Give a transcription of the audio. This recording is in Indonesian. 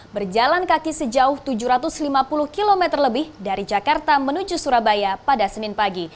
berjalan kaki sejauh tujuh ratus lima puluh km lebih dari jakarta menuju surabaya pada senin pagi